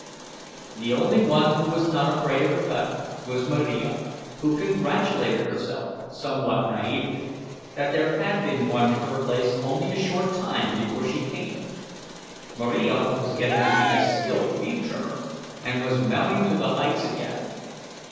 The only one who was not afraid of a cut was Marija, who congratulated herself, somewhat naïvely, that there had been one in her place only a short time before she came. Marija was getting to be a skilled beef trimmer, and was mounting to the heights again.